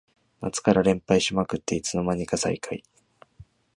夏から連敗しまくっていつの間にか最下位